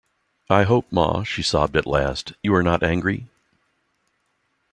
"I hope, Ma," she sobbed at last, "you are not angry?"